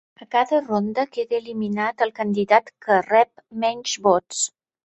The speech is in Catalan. A cada ronda, queda eliminat el candidat que rep menys vots.